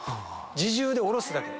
自重で下ろすだけ。